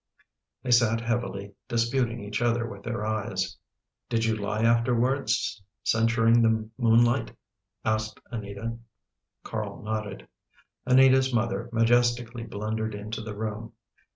They sat heavily disputing each other with their eyes. " Did you lie afterwards, censuring the moonlight? " asked Anita. Carl nodded. Anita's mother majestically blundered into the room.